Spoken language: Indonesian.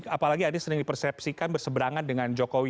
apalagi anies sering dipersepsikan berseberangan dengan jokowi